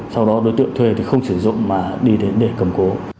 sau đó thì đến tới cầm cố